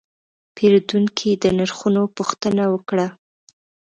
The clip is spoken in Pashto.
پیرودونکی د نرخونو پوښتنه وکړه.